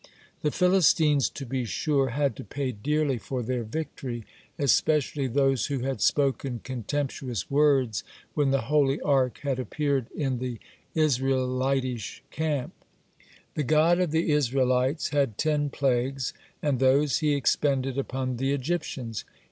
The Philistines, to be sure, had to pay dearly for their victory, especially those who had spoken contemptuous words when the holy Ark had appeared in the Israelitish camp: "The God of the Israelites had ten plagues, and those he expended upon the Egyptians.